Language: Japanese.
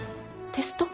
テスト？